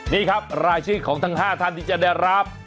นี่ครับรายชื่อของทั้ง๕ท่านที่จะได้รับ